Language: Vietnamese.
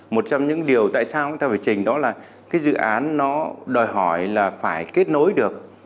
một trong những điều tại sao chúng ta phải trình đó là cái dự án nó đòi hỏi là phải kết nối được